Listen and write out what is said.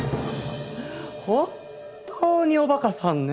本当にお馬鹿さんね。